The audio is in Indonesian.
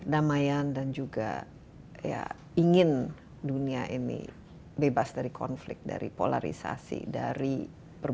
damayan dan juga ya ingin dunia ini bebas dari konflik dari polarisasi dari perbedaan